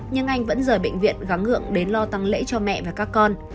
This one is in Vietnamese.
nhưng anh vẫn rời bệnh viện gắng ngựa đến lo tăng lễ cho mẹ và các con